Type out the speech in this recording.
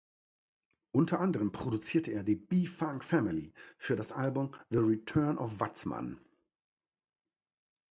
Unter anderem produzierte er die B-Funk Family für das Album "The Return of Watzmann".